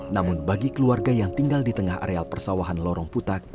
namun bagi keluarga yang tinggal di tengah areal persawahan lorong putak